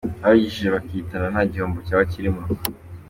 Babigishije bakihana nta gihombo cyaba kirimo ”.